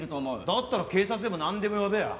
だったら警察でもなんでも呼べよ。